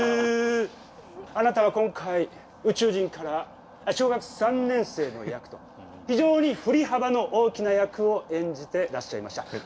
あなたは今回宇宙人から小学３年生の役と非常に振り幅の大きな役を演じてらっしゃいました。